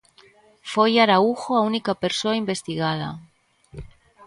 Foi Araújo a única persoa investigada.